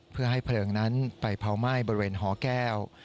เพื่อให้เพลิงนั้นไปเผาไหม้บริเวณหอแก้ว